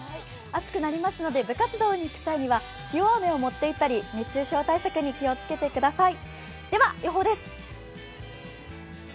暑くなりそうなので部活動に行く際には塩あめを持っていったり熱中症対策にお気をつけください。